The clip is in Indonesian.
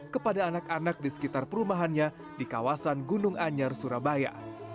kepada anak anak di sekitar perumahannya di kawasan gunung anyar surabaya